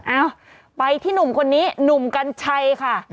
เอ้าไปที่หนุ่มคนนี้หนุ่มกัญชัยค่ะ